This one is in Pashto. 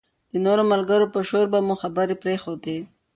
د نورو ملګرو په شور به مو خبرې پرېښودې.